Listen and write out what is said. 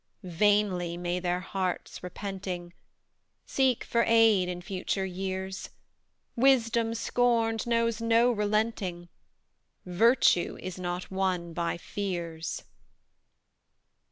"Vainly may their hearts repenting. Seek for aid in future years; Wisdom, scorned, knows no relenting; Virtue is not won by fears."